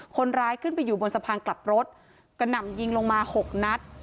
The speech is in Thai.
คนร้ายขึ้นไปอยู่บนสะพานกลับรถกระหน่ำยิงลงมาหกนัด